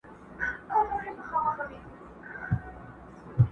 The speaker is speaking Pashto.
نجلۍ يوازې پرېښودل کيږي او درد لا هم شته